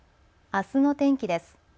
あすの天気です。